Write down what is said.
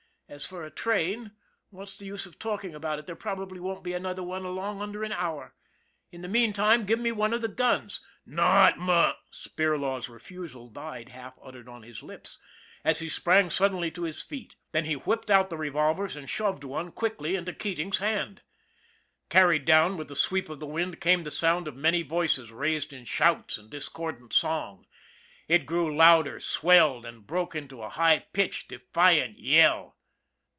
As for a train, what's the use of talking about it, there probably won't be another one along under an hour. In the meantime, give me one of the guns." Not m " Spirlaw's refusal died half uttered on his lips, as he sprang suddenly to his feet ; then he whipped out the revolvers and shoved one quickly into Keating's hand. Carried down with the sweep of the wind came the sound of many voices raised in shouts and discordant song. It grew louder, swelled, and broke into a high pitched, defiant yell.